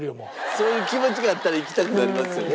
そういう気持ちがあったら行きたくなりますよね。